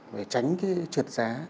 phải tránh cái trượt giá